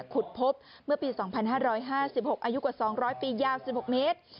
ขุดพบเมื่อปี๒๕๕๖อายุกว่า๒๐๐ปียาว๑๖เมตร